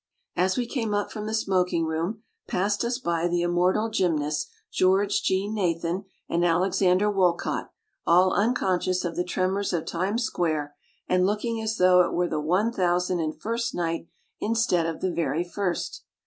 As we came up from the smoking room, passed us by the Immortal Gym nasts, George Jean Nathan and Alex ander Woollcott, all unconscious of the tremors of Times Square and looking as though it were the One Thousand and First Night instead of the very first.